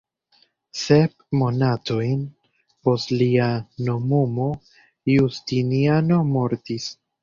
Sep monatojn post lia nomumo Justiniano mortis.